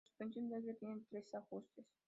La suspensión de aire tiene tres ajustes.